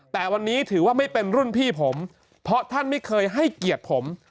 แต่วันนี้ถือว่าไม่เป็นรุ่นพี่ผมเพราะท่านไม่เคยให้เกียรติผม